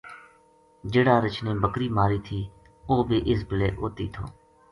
جہیڑا رچھ نے بکری ماری تھی اوہ بھی اس بِلے اُت ہی تھو